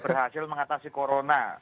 berhasil mengatasi corona